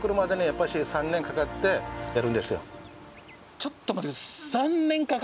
ちょっと待って下さい。